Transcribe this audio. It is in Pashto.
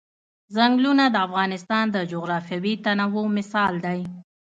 ځنګلونه د افغانستان د جغرافیوي تنوع مثال دی.